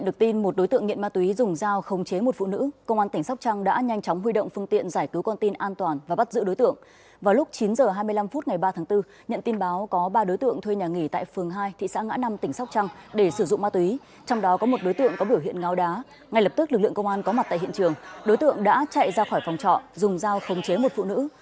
lực lượng công an có mặt tại hiện trường đối tượng đã chạy ra khỏi phòng trọ dùng dao khống chế một phụ nữ